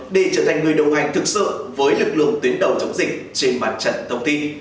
để trở thành người đồng hành thực sự với lực lượng tuyến đầu chống dịch trên mặt trận thông tin